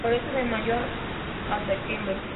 Florece de mayo a septiembre.